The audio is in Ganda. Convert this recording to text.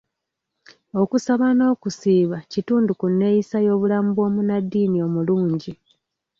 Okusaba n'okusiiba kitundu ku neeyisa y'obulamu bw'omunnaddiini omulungi.